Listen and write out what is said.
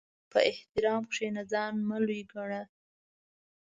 په احترام کښېنه، ځان مه لوی ګڼه.